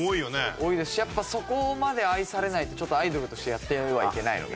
多いですしやっぱそこまで愛されないとちょっとアイドルとしてやってはいけないので。